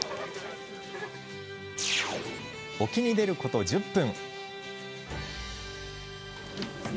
沖に出ること１０分。